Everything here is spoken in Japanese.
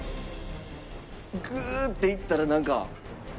グーっていったらなんか。